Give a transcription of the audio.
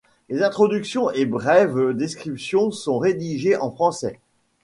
Les introductions et brèves descriptions sont rédigées en français.